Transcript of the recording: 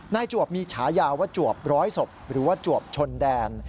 จวบมีฉายาว่าจวบร้อยศพหรือว่าจวบชนแดน